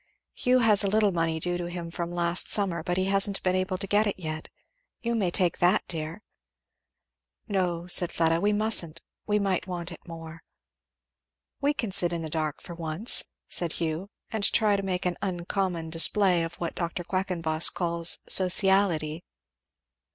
"Hugh has a little money due to him from last summer, but he hasn't been able to get it yet. You may take that, dear." "No," said Fleda, "we mustn't. We might want it more." "We can sit in the dark for once," said Hugh, "and try to make an uncommon display of what Dr. Quackenboss calls 'sociality.'"